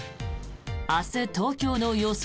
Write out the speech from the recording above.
明日、東京の予想